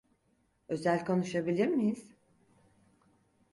Özel konuşabilir miyiz?